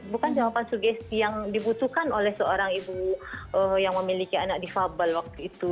bukan jawaban sugesti yang dibutuhkan oleh seorang ibu yang memiliki anak difabel waktu itu